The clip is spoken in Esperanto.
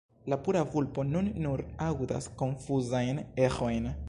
La pura vulpo nun nur aŭdas konfuzajn eĥojn.